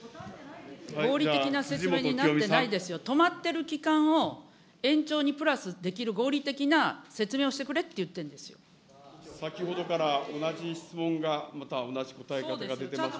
合理的な説明になってないですよ、止まってる期間を延長にプラスできる合理的な説明をしてくれって先ほどから同じ質問が、そうですよ。